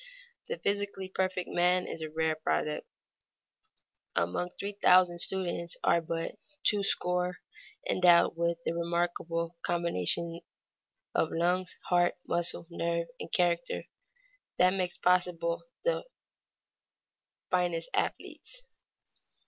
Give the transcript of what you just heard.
The physically perfect man is a rare product. Among three thousand students are but two score endowed with the remarkable combination of lungs, heart, muscle, nerve, and character, that makes possible the finest athletes.